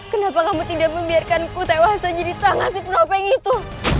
kenapa kamu tidak membiarkanku tewas saja di tangan si peropeng itu